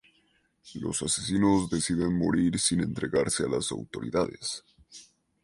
Los asesinos deciden morir sin entregarse a las autoridades.